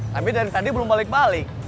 tapi dari tadi belum balik balik